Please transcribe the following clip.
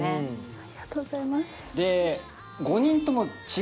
ありがとうございます。